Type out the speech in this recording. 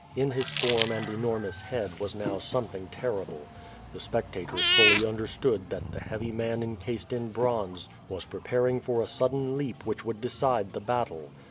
In his form and enormous head was now something terrible. The spectators fully understood that the heavy man encased in bronze was j)reparing for a sudden leap which would decide the battle.